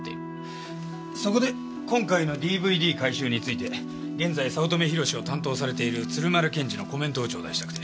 そこで今回のＤＶＤ回収について現在早乙女宏志を担当されている鶴丸検事のコメントを頂戴したくて。